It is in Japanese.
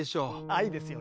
愛ですよね。